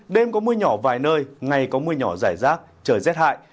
đêm có mưa nhỏ vài nơi ngày có mưa nhỏ rải rác trời rét hại